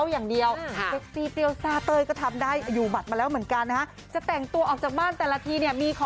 อย่างสาวเต้ย